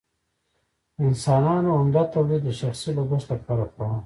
انسانانو عمده تولید د شخصي لګښت لپاره کاوه.